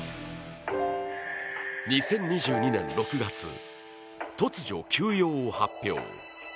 ２０２２年６月、突如休養を発表。